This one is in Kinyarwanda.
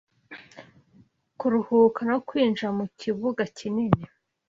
Kuruhuka no kwinjira mukibuga kinini